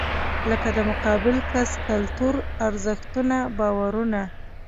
لکه د مقابل کس کلتور، ارزښتونه، باورونه .